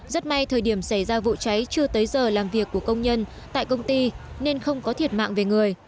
rất may thời điểm xảy ra vụ cháy chưa tới giờ làm việc của công nhân tại công ty nên không có thiệt mạng về người